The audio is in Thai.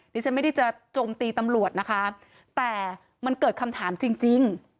ดิฉันไม่ได้จะโจมตีตำรวจนะคะแต่มันเกิดคำถามจริง